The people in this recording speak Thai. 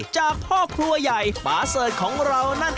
มาเกิดเธศสีดา